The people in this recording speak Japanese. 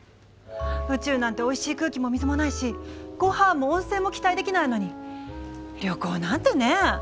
宇宙なんておいしい空気も水もないしごはんも温泉も期待できないのに旅行なんてね。